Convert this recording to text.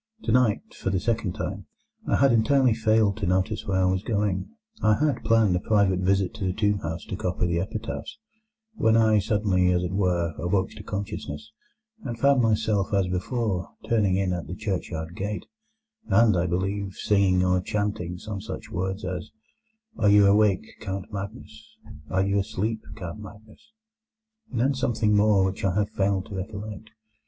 Tonight, for the second time, I had entirely failed to notice where I was going (I had planned a private visit to the tomb house to copy the epitaphs), when I suddenly, as it were, awoke to consciousness, and found myself (as before) turning in at the churchyard gate, and, I believe, singing or chanting some such words as, 'Are you awake, Count Magnus? Are you asleep, Count Magnus?' and then something more which I have failed to recollect.